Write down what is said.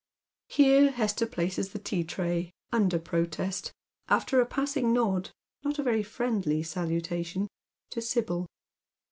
Here Hester places the tea tray, under protest, after a passing nod — not a very fiiendly salutation — to Sibyl.